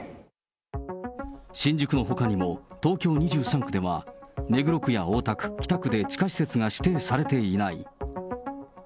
新宿のほかにも東京２３区では、目黒区や大田区、北区で地下施設が指定されていない。